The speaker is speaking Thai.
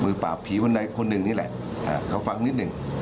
ปราบผีคนใดคนหนึ่งนี่แหละเขาฟังนิดหนึ่ง